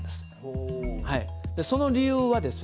その理由はですよ